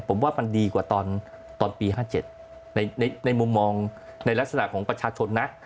ผมว่ามันดีกว่าตอนปี๕๗ในมุมมองในลักษณะของประชาชนนะ